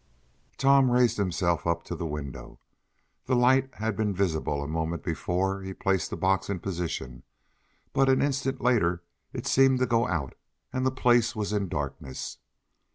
Tom raised himself up to the window. The light had been visible a moment before he placed the box in position, but an instant later it seemed to go out, and the place was in darkness.